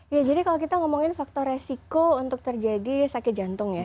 ya jadi kalau kita ngomongin faktor resiko untuk terjadi sakit jantung ya